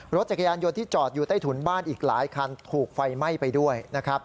รถจักรยานยนต์ที่จอดอยู่ใต้ถุนบ้านอีกหลายคันถูกไฟไหม้ไปด้วยนะครับ